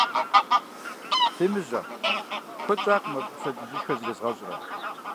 Фемыжьэ, куэд щӀакъым абы пщэдджыжьышхэ зэрезгъэщӀрэ.